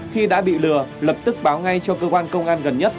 khi đã bị lừa lập tức báo ngay cho cơ quan công an gần nhất